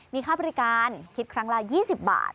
มีค่าบริการคิดครั้งละ๒๐บาท